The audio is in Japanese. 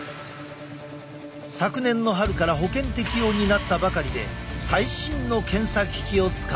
昨年の春から保険適用になったばかりで最新の検査機器を使う。